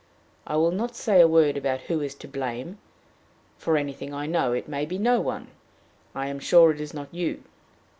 I will not say a word about who is to blame for anything I know, it may be no one I am sure it is not you.